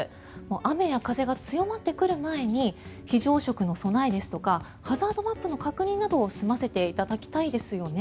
雨や風が強まってくる前に非常食の備えですとかハザードマップの確認などを済ませていただきたいですよね。